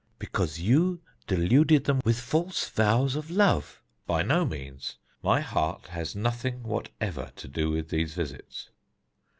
"Because you deluded them with false vows of love." "By no means. My heart has nothing what ever to do with these visits.